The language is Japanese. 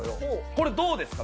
これどうですか？